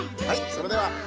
はいそれでは。